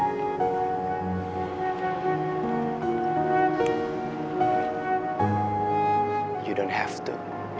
kamu gak perlu